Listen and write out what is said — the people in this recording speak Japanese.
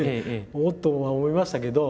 「おっ？」とは思いましたけど